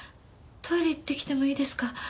トイレ行ってきてもいいですか？